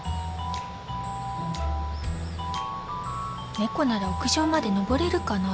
ねこなら屋上まで登れるかなあ？